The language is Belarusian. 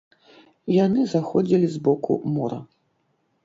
Яны заходзілі з боку мора.